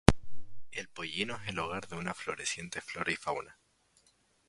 El Pollino es el hogar de una floreciente flora y fauna.